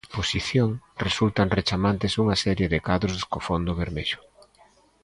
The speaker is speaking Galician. Na exposición, resultan rechamantes unha serie de cadros co fondo vermello.